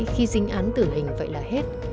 khi dính án tử hình vậy là hết